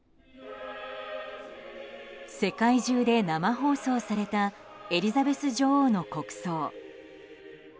世界中で生放送されたエリザベス女王の国葬。